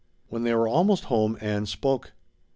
When they were almost home Ann spoke.